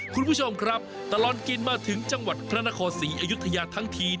คุณผู้ชมครับตลอดกินมาถึงจังหวัดพระนครศรีอยุธยาทั้งที